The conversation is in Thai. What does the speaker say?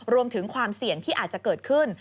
รวมถึงความเสี่ยงที่อาจจะเกิดขึ้น